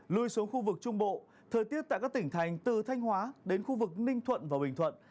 lui xuống khu vực trung bộ thời tiết tại các tỉnh thành từ thanh hóa đến khu vực ninh thuận và bình thuận